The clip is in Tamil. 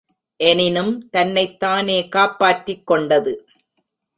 எனினும் தன்னைத்தானே காப்பாற்றிக் கொண்டது.